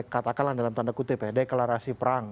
katakanlah dalam tanda kutip ya deklarasi perang